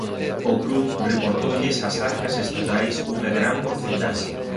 O cru reportoulles ás arcas estatais unha gran porcentaxe